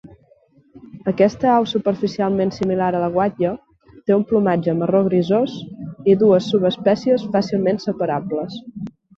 Aquesta au superficialment similar a la guatlla té un plomatge marró grisós i dues subespècies fàcilment separables.